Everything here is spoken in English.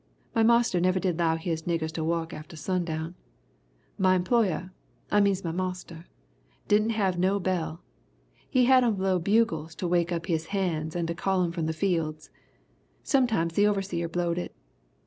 My marster never did 'low his niggers to wuk atter sundown. My employer, I means my marster, didn't have no bell. He had 'em blow bugles to wake up his hands and to call 'em from the fields. Sometimes the overseer blowed it.